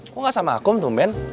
kok tidak sama aku tung ben